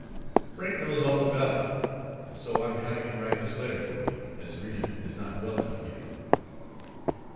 Frank knows all about it, and so I am having him write this letter for me, as Rena is not well enough yet.